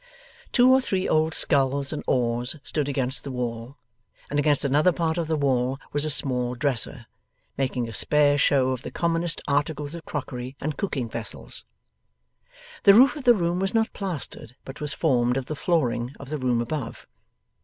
Two or three old sculls and oars stood against the wall, and against another part of the wall was a small dresser, making a spare show of the commonest articles of crockery and cooking vessels. The roof of the room was not plastered, but was formed of the flooring of the room above.